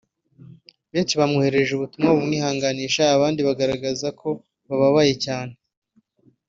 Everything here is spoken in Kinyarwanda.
benshi bamwoherereje ubutumwa bumwihanganisha abandi bagaragaza ko bababaye cyane